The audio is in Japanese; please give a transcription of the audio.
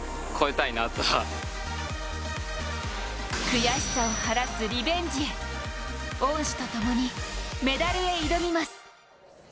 悔しさを晴らすリベンジへ恩師とともに、メダルへ挑みます。